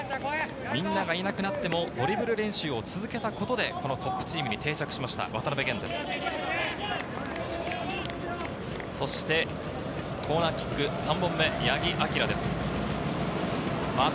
みんながいなくなってもドリブル練習を続けたことでこのトップチームに定着しました。